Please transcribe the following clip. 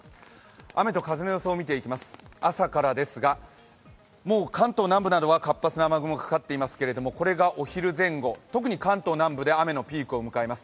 雨と風の予想を見ていきます、朝からですが、もう関東南部などは活発な雨雲かかってますけれどもこれがお昼前後特に関東南部で雨のピークを迎えます。